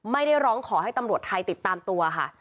ไม่ได้ร้องขอให้ตำรวจไทยติดตามตัวค่ะ